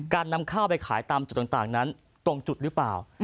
นำข้าวไปขายตามจุดต่างนั้นตรงจุดหรือเปล่า